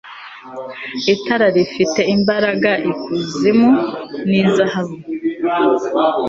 Itara rifite imbaraga ikuzimu ni zahabu